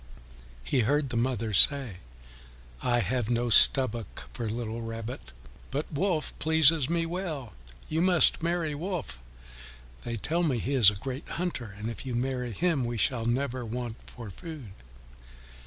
He heard the mother say, "I have no stomach for little Rabbit, but Wolf pleases me well. You must marry Wolf. They tell me he is a great hunter, and if you marry him we shall never want for food."